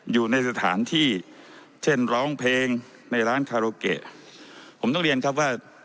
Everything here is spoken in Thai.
อยู่ในสถานที่เช่นร้องเพลงในร้านคาโรเกะผมต้องเรียนครับว่า